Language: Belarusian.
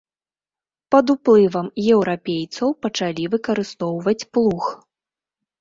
Пад уплывам еўрапейцаў пачалі выкарыстоўваць плуг.